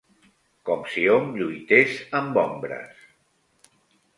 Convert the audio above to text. Com si hom lluités amb ombres.